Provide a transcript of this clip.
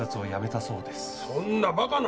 そんなバカな！